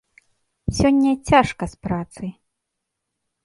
Сёння цяжка з працай.